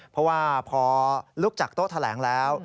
เพราะว่าพอลุกจากโต๊ะแถลงแล้ว